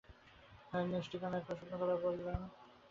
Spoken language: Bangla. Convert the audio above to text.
হোম মিনিষ্টির শুকনো গলায় বললেন, ঠিক আছে-আপনি রহস্য উদ্ধারের চেষ্টা করুন।